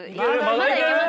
まだいけます